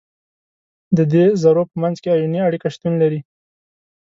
د دې ذرو په منځ کې آیوني اړیکه شتون لري.